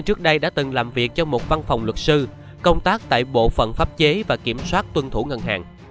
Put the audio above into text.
trước đây đã từng làm việc cho một văn phòng luật sư công tác tại bộ phận pháp chế và kiểm soát tuân thủ ngân hàng